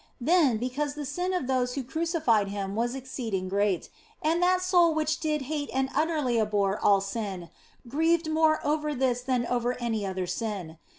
Then, because the sin of those who crucified Him was exceeding great, and that Soul which did hate and utterly abhor all sin grieved more over this than over any other sin.